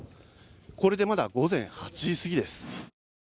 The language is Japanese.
これでまだ午前８時すぎです。